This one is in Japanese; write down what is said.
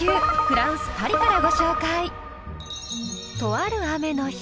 フランス・パリからご紹介。